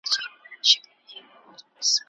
ایا ته به ما له دغه سخت برخلیک څخه وژغورې؟